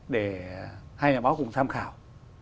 để hai nhà báo cùng tham khảo